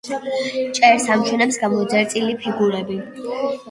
ჭერს ამშვენებს გამოძერწილი ფიგურები.